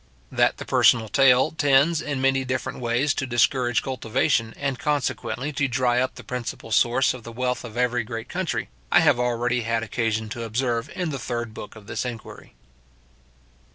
That the personal taille tends, in many different ways, to discourage cultivation, and consequently to dry up the principal source of the wealth of every great country, I have already had occasion to observe in the third book of this Inquiry.